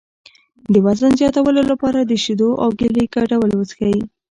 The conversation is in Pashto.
د وزن زیاتولو لپاره د شیدو او کیلې ګډول وڅښئ